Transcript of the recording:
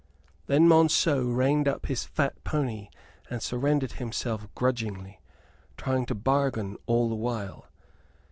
Then Monceux reined up his fat pony and surrendered himself grudgingly, trying to bargain all the while.